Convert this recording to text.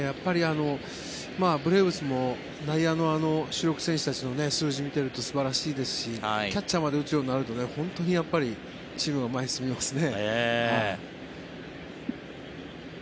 ブレーブスも内野の主力選手たちの数字を見ていると素晴らしいですしキャッチャーまで打つようになると本当にチームが前に進みますね。